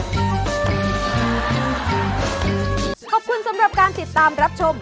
ขอบคุณสำหรับการติดตามรับชม